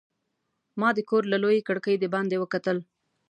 ما د کور له لویې کړکۍ د باندې وکتل.